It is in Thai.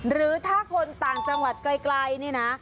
หรือถ้าคนต่างจังหวัดไกลนี่นะ